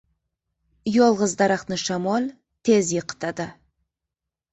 • Yolg‘iz daraxtni shamol tez yiqitadi.